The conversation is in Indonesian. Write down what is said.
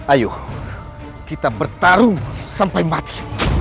ayo kita bertarung sampai mati